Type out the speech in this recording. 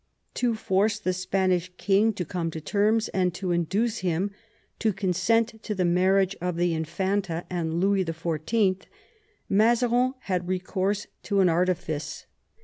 To force the Spanish king to come to terms, and to induce him to consent to the marriage of the Infanta and Louis XIV., Mazarin had recourse to an artifice.